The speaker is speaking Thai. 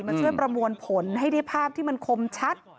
มาช่วยประมวลผลให้ได้ภาพที่มันคมชัด